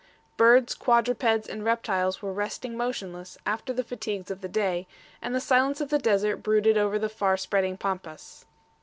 Birds, quadrupeds, and reptiles were resting motionless after the fatigues of the day, and the silence of the desert brooded over the far spreading Pampas.